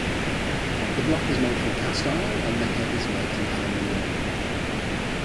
The block is made from cast iron and the head is made from aluminium.